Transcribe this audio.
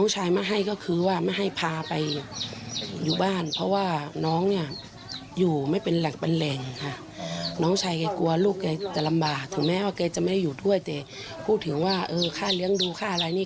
จะไม่ได้อยู่ด้วยเจ๊พูดถึงว่าค่าเลี้ยงดูค่าอะไรนี่